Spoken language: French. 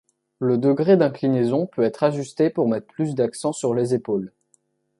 Le degré d'inclinaison peut être ajusté pour mettre plus d'accent sur les épaules.